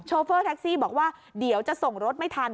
โฟเฟอร์แท็กซี่บอกว่าเดี๋ยวจะส่งรถไม่ทัน